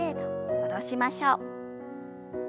戻しましょう。